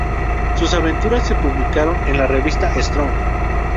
Sus aventuras se publicaron en la revista Strong.